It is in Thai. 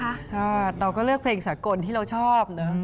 ก็เราก็เลือกเพลงสากลที่เราชอบเนอะ